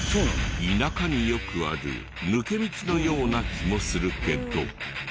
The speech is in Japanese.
田舎によくある抜け道のような気もするけど。